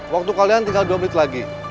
waktu kalian tinggal dua menit lagi